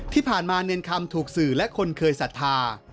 ที่ผ่านมาเนรคำถูกสื่อและคนเคยศรัทธา